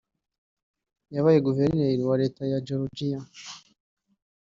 yabaye guverineri wa Leta ya Georgia